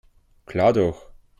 Klar doch.